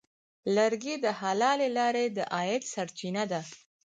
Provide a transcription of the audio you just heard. لرګی د حلالې لارې د عاید سرچینه ده.